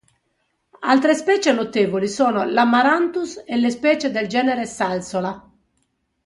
Altre specie notevoli sono l'Amaranthus e le specie del genere Salsola.